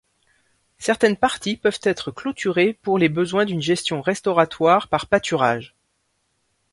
Certaines parties peuvent être clôturées pour les besoins d'une gestion restauratoire par pâturage.